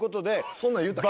そんなん言うたっけ？